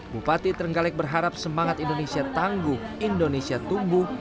bupati trenggalek berharap semangat indonesia tangguh indonesia tumbuh